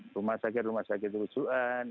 rumah sakit rumah sakit rujukan